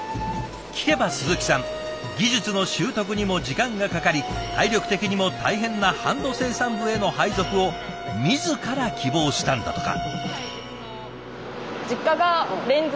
聞けば鈴木さん技術の習得にも時間がかかり体力的にも大変なハンド生産部への配属を自ら希望したんだとか。